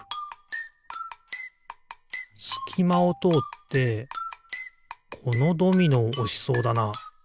すきまをとおってこのドミノをおしそうだな。